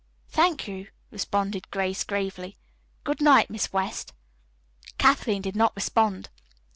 "Thank you," responded Grace gravely. "Good night, Miss West." Kathleen did not respond.